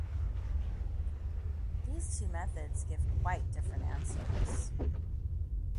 These two methods give quite different answers.